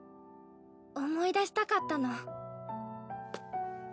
思い出したかったの。